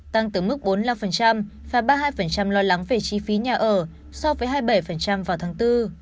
tăng từ mức bốn mươi năm và ba mươi hai lo lắng về chi phí nhà ở so với hai mươi bảy vào tháng bốn